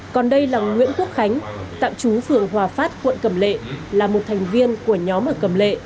còn đây là nguyễn quốc khánh tạm trú phường hòa phát quận cầm lệ là một thành viên của nhóm ở cầm lệ